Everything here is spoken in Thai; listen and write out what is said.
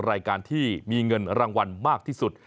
รายการที่มีเงินรางวัลมากที่สุด